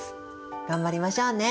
頑張りましょうね。